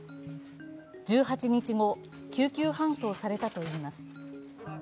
１８日後、救急搬送されたといいます。